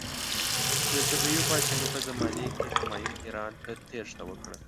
د صفوي پادشاهي په زمانې کې همایون ایران ته تیښته وکړه.